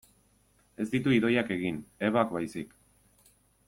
Ez ditu Idoiak egin, Ebak baizik.